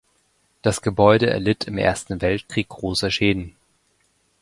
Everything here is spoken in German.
Das Gebäude erlitt im Ersten Weltkrieg große Schäden.